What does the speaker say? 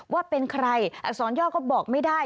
ว่าเป็นใครอักษรย่อก็บอกไม่ได้